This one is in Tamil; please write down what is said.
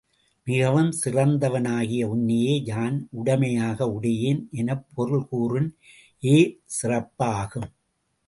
மிகவும் சிறந்தவனாகிய உன்னையே யான் உடைமையாக உடையேன் எனப் பொருள் கூறின் ஏ சிறப்பு ஆகும்.